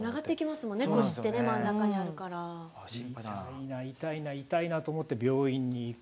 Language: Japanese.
痛いな痛いな痛いなと思って病院に行く。